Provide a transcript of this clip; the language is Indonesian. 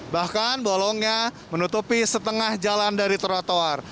bahkan bolongnya menutupi setengah jalan dari trotoar